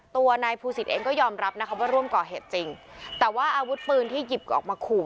ตัวนายภูศิษย์เองก็ยอมรับนะคะว่าร่วมก่อเหตุจริงแต่ว่าอาวุธปืนที่หยิบออกมาขู่